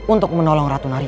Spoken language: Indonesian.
untuk menolong ratu ratu